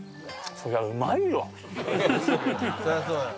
「そりゃそうよ」